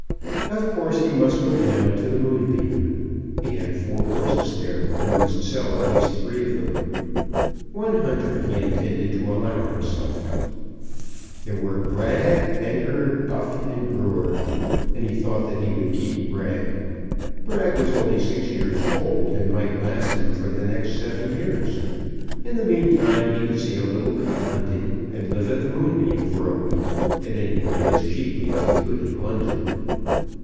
Of course he must go down to the Moonbeam. He had four horses there, and must sell at least three of them. One hunter he intended to allow himself. There were Brag, Banker, Buff, and Brewer; and he thought that he would keep Brag. Brag was only six years old, and might last him for the next seven years. In the meantime he could see a little cub hunting, and live at the Moonbeam for a week at any rate as cheaply as he could in London.